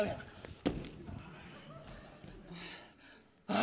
あ！